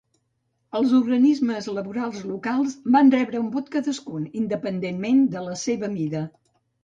Els organismes laborals locals van rebre un vot cadascun, independentment de la seva mida.